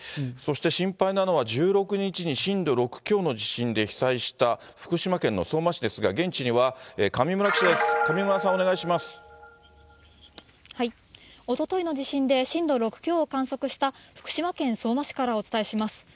そして、心配なのは、１６日に震度６強の地震で被災した福島県の相馬市ですが、現地には上村記者です、上村さん、おとといの地震で、震度６強を観測した福島県相馬市からお伝えします。